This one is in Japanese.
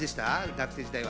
学生時代は。